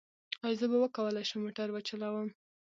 ایا زه به وکولی شم موټر وچلوم؟